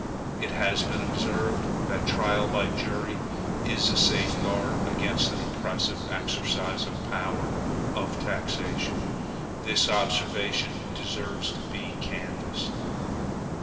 It has been observed, that trial by jury is a safeguard against an oppressive exercise of the power of taxation. This observation deserves to be canvassed.